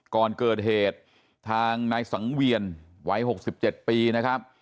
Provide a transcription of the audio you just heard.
ก่อนเกิดเหตุทางนายสังเวียนวัย๖๗ปีนะครับ